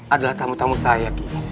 adalah tamu tamu saya